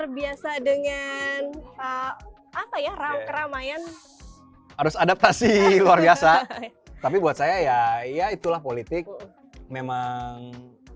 terbiasa dengan apa ya rame keramaian harus adaptasi luar biasa tapi buat saya ya itulah politik memang